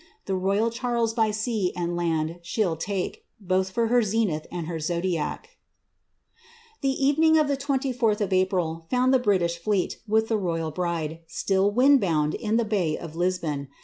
The royal Charles by sea and land she '11 take, Both for her zenith and her zodiack.'^ rening of the 24th of April found the British fleet, with the ie, still wind bound in the bay of Lisbon.